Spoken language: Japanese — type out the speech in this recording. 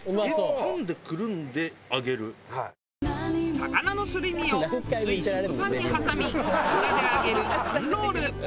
魚のすり身を薄い食パンに挟み油で揚げるパンロール。